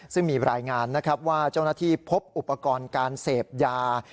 ซึ่งมีรายงานนะครับว่าเจ้าหน้าที่พบอุปกรณ์การเสพยา